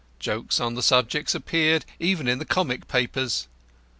Jokes on the subject appeared even in the comic papers.